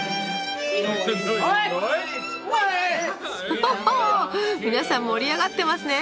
ほほほみなさん盛り上がってますね。